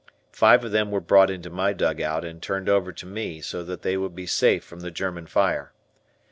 Five of them were brought into my dugout and turned over to me so that they would be safe from the German fire.